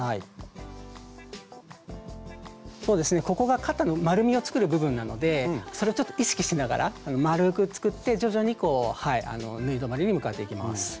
ここが肩の丸みを作る部分なのでそれをちょっと意識しながら丸く作って徐々に縫い止まりに向かっていきます。